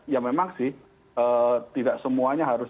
ya memang sih tidak semuanya harus